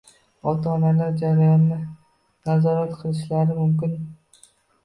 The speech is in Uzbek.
Ota-onalar jarayonni nazorat qilishlari mumkin.